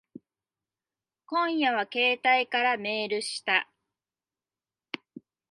今夜は携帯からメールした。